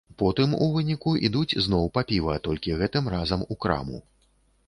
Потым у выніку ідуць ізноў па піва, толькі гэтым разам у краму.